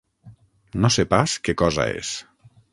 No sé pas què cosa és.